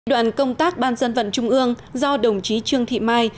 đoàn công tác ban dân vận trung ương do đồng chí trương thị mai